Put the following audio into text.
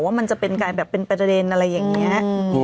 ว่ามันจะเป็นการแบบเป็นประเด็นอะไรอย่างนี้